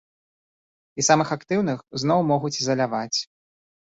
І самых актыўных зноў могуць ізаляваць.